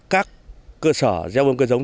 các cơ sở gieo ươm cây giống